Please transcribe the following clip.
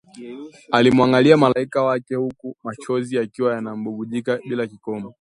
akimwangalia malaika wake huku machozi yakiwa yanambubujika bila kikomo